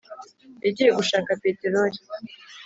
yagiye gushaka peteroli.